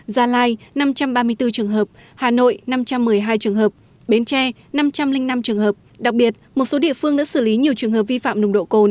hà nội năm trăm một mươi hai trường hợp bến tre năm trăm linh năm trường hợp đặc biệt một số địa phương đã xử lý nhiều trường hợp vi phạm nồng độ cồn